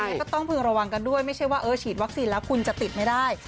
ก็ต้องพึงระวังกันด้วยไม่ใช่ว่าเออฉีดวัคซีนแล้วคุณจะติดไม่ได้